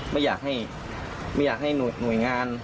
ไม่อยากให้หน่วยงาน